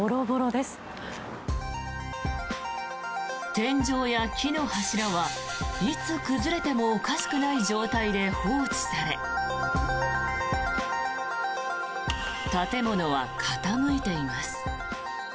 天井や木の柱はいつ崩れてもおかしくない状態で放置され建物は傾いています。